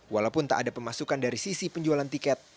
walaupun tak ada pemasukan dari sisi penjualan tiket